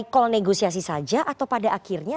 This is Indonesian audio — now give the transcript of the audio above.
call negosiasi saja atau pada akhirnya